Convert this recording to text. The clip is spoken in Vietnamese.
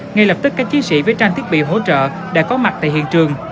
ngay lập tức các chiến sĩ với trang thiết bị hỗ trợ đã có mặt tại hiện trường